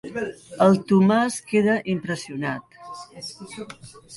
El Tomàs queda impressionat.